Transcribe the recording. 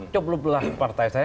coblublah partai saya